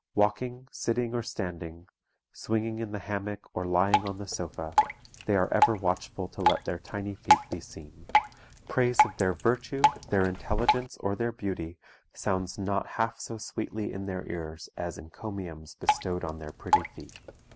Walking, sitting, or standing, swinging in the hammock or lying on the sofa, they are ever watchful to let their tiny feet be seen. Praise of their virtue, their intelligence, or their beauty, sounds not half so sweetly in their ears as encomiums bestowed on their pretty feet.